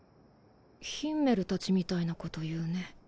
ヒンメルたちみたいなこと言うね。